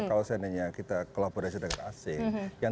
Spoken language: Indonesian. kalau seandainya kita kolaborasi dengan asing